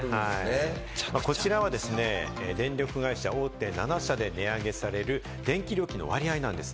こちらはですね、電力会社大手７社で値上げされる電気料金の割合なんです。